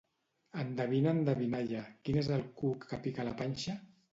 Endevina endevinalla: quin és el cuc que pica a la panxa?